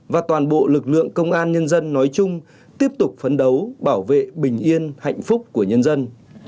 và toàn bộ lực lượng công an nhân dân nói chung tiếp tục phấn đấu bảo vệ bình yên hạnh phúc của nhân dân